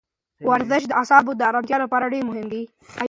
ورزش د اعصابو د ارامتیا لپاره ډېر مهم دی.